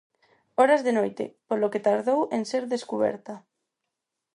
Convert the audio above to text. Horas de noite, polo que tardou en ser descuberta.